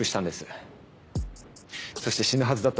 そして死ぬはずだった